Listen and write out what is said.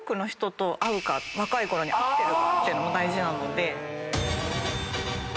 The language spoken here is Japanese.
若いころに会ってるかっていうのも大事なので。